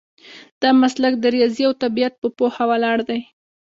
دا مسلک د ریاضي او طبیعت په پوهه ولاړ دی.